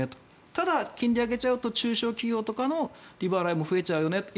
ただ、金利を上げると中小企業とかの利払いも増えちゃうよねと。